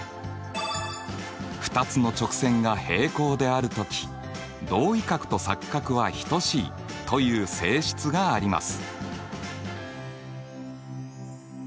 ２つの直線が平行である時同位角と錯角は等しいという性質があります。